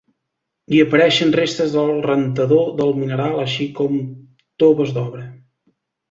Hi apareixen restes del rentador del mineral així com toves d'obra.